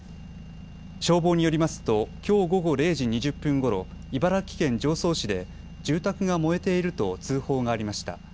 消防によりますときょう午後０時２０分ごろ、茨城県常総市で住宅が燃えていると通報がありました。